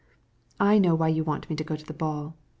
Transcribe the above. "I know why you press me to come to the ball.